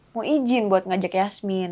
mau izin buat ngajak yasmin